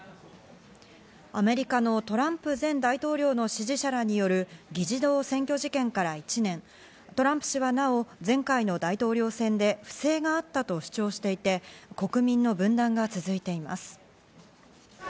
アメリカのトランプ前大統領の支持者らによる議事堂占拠事件から１年、トランプ氏はなお前回の大統領選で不正があったと主張していて、国民の分断が続いています。